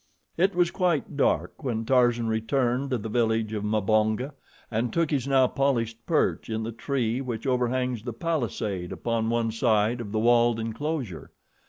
It was quite dark when Tarzan returned to the village of Mbonga and took his now polished perch in the tree which overhangs the palisade upon one side of the walled enclosure.